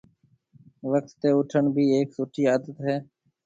وقت تي اُوٺڻ بي هيَڪ سُٺِي عادت هيَ۔